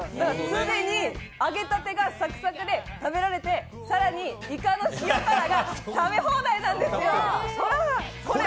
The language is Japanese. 常に揚げたてがサクサクで食べられて更にイカの塩辛が食べ放題なんですよ。